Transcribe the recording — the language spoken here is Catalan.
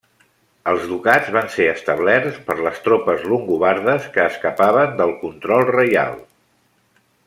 Els ducats van ser establerts per les tropes longobardes que escapaven del control reial.